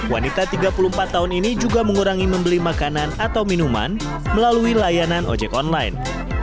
wanita tiga puluh empat tahun ini juga mengurangi membeli makanan atau minuman melalui layanan ojek online